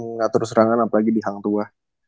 ngatur serangan apalagi di hang tua